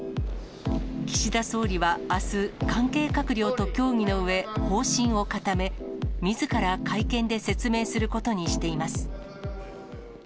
岸田総理はあす、関係閣僚と協議のうえ、方針を固め、みずから会見で説明することにしています。